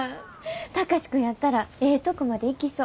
貴司君やったらええとこまでいきそう。